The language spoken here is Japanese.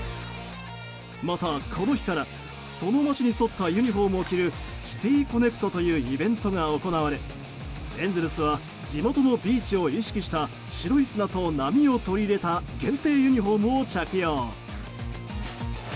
また、この日からその街に沿ったユニホームを着るシティ・コネクトというイベントが行われエンゼルスは地元のビーチを意識した白砂と波を取り入れた限定ユニホームを着用。